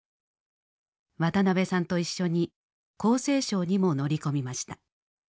渡辺さんと一緒に厚生省にも乗り込みました。